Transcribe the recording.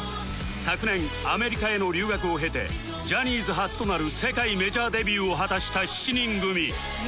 昨年アメリカへの留学を経てジャニーズ初となる世界メジャーデビューを果たした７人組